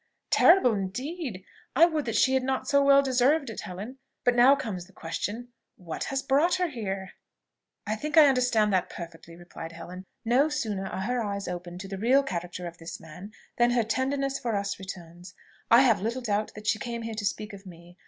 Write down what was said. "Terrible indeed! I would that she had not so well deserved it, Helen. But now comes the question: what has brought her here?" "I think I understand that perfectly," replied Helen. "No sooner are her eyes opened to the real character of this man, than her tenderness for us returns. I have little doubt that she came here to speak of me.